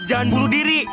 jangan bunuh diri